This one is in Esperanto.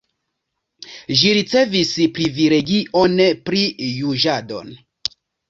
Ĝi ricevis privilegion pri juĝado.